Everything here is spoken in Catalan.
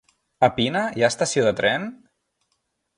A Pina hi ha estació de tren?